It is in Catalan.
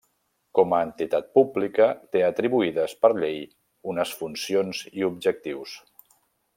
Com a entitat pública, té atribuïdes per llei unes funcions i objectius.